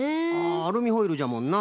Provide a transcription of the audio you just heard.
アルミホイルじゃもんな